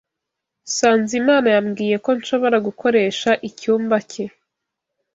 Sanzimana yambwiye ko nshobora gukoresha icyumba cye.